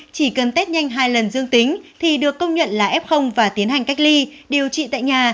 chỉ cần test nhanh hai lần dương tính thì được công nhận là f và tiến hành cách ly điều trị tại nhà